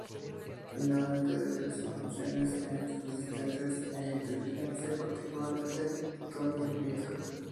Finalmente, delega sus funciones en sus asistentes en inteligencia, particularmente Tony Almeida.